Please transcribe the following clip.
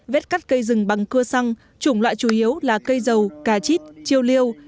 vết cắt cây rừng bằng cưa xăng chủng loại chủ yếu là cây dầu cà chít chiêu liêu